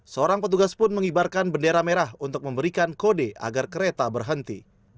seorang petugas pun mengibarkan bendera merah untuk memberikan kode agar kereta berhenti